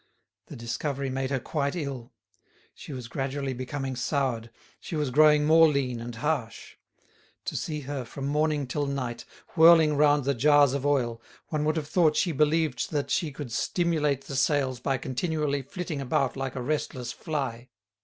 The discovery made her quite ill. She was gradually becoming soured, she was growing more lean and harsh. To see her, from morning till night, whirling round the jars of oil, one would have thought she believed that she could stimulate the sales by continually flitting about like a restless fly.